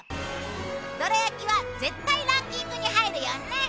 どら焼きは絶対ランキングに入るよね？